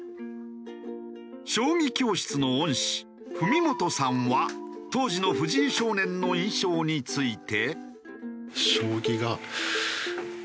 将棋教室の恩師文本さんは当時の藤井少年の印象について。